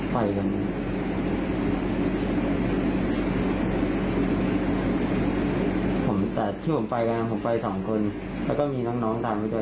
ผมแต่สิ่งผมปลายแล้วผมไปสามคนก็ก็มีน้องไม่รู้ความ